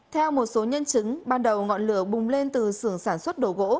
theo một số nhân chứng ban đầu ngọn lửa bùng lên từ sưởng sản xuất đồ gỗ